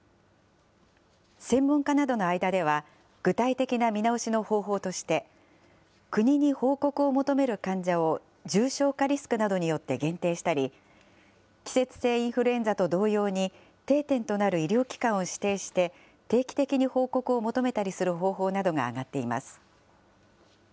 専門家などの間では、具体的な見直しの方法として、国に報告を求める患者を重症化リスクなどによって限定したり、季節性インフルエンザと同様に定点となる医療機関を指定して、定期的に報告を求めたりする方法などが挙がっています。